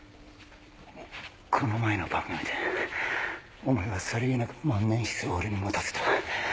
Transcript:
この前の番組でお前はさりげなく万年筆を俺に持たせた。